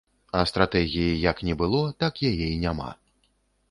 А стратэгіі як не было, так яе і няма.